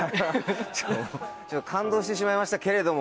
感動してしまいましたけれども。